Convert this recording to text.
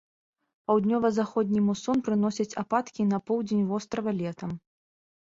Паўднёва-заходні мусон прыносіць ападкі на поўдзень вострава летам.